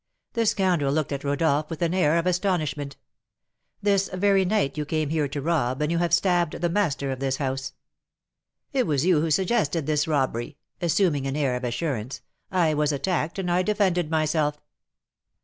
The scoundrel looked at Rodolph with an air of astonishment. "This very night you came here to rob, and you have stabbed the master of this house " "It was you who suggested this robbery!" assuming an air of assurance. "I was attacked, and I defended myself."